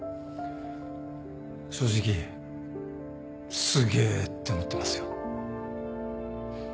正直すげえって思ってますよ。